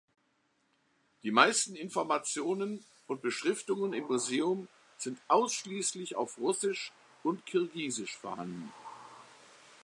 Die meisten Informationen und Beschriftungen im Museum sind ausschließlich auf Russisch und Kirgisisch vorhanden.